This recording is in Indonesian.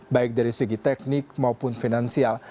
baik dari segi teknik maupun finansial